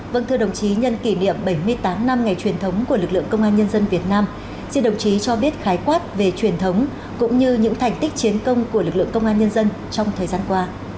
vâng thưa đồng chí nhân kỷ niệm bảy mươi tám năm ngày truyền thống của lực lượng công an nhân dân việt nam xin đồng chí cho biết khái quát về truyền thống cũng như những thành tích chiến công của lực lượng công an nhân dân trong thời gian qua